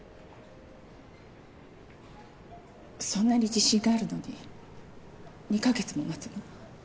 そんなに自信があるのに２か月も待つの？